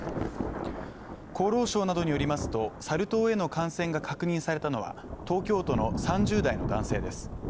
厚労省などによりますとサル痘への感染が確認されたのは東京都の３０代の男性です。